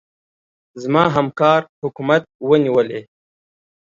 زما همکار حکومت ونيولې.